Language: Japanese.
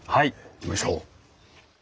行きましょう。